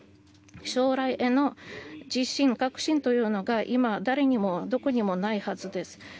将来への自信、確信というのが今、誰にもどこにもないはずです。